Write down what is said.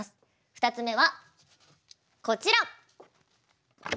２つ目はこちら。